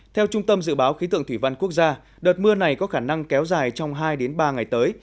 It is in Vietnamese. theo trung tâm dự báo khí tượng thủy văn quốc gia đợt mưa này có khả năng kéo dài trong hai ba ngày tới